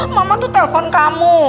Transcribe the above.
mama tuh telpon kamu